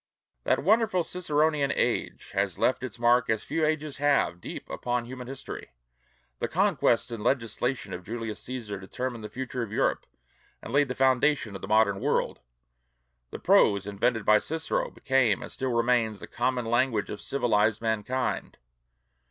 That wonderful Ciceronian age has left its mark as few ages have, deep upon human history. The conquests and legislation of Julius Cæsar determined the future of Europe and laid the foundation of the modern world. The prose invented by Cicero became and still remains the common language of civilized mankind.